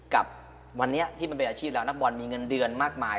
กับวันนี้ที่มันเป็นอาชีพแล้วนักบอลมีเงินเดือนมากมาย